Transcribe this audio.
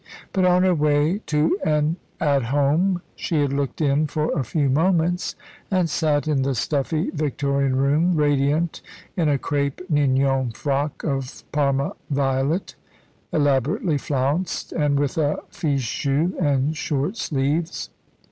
But on her way to an "At Home" she had looked in for a few moments, and sat in the stuffy Victorian room, radiant in a crêpe ninon frock of Parma violet, elaborately flounced, and with a fichu and short sleeves.